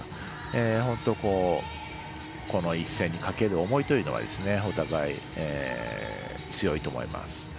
本当にこの一戦にかける思いというのはお互い強いと思います。